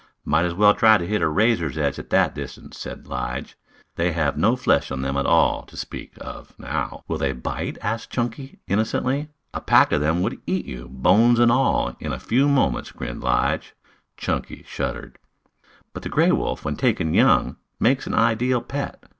"Might as well try to hit a razor's edge at that distance," said Lige. "They have no flesh on them at all, to speak of, now " "Will they bite?" asked Chunky innocently. "A pack of them would eat you, bones and all, in a few moments," grinned Lige. Chunky shuddered. "But the gray wolf, when taken young, makes an ideal pet.